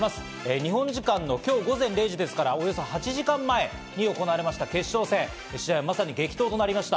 日本時間の今日午前０時ですから、およそ８時間前に行われました決勝戦、試合はまさに激闘になりました。